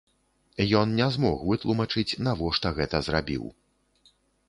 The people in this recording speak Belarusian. Ён не змог вытлумачыць, навошта гэта зрабіў.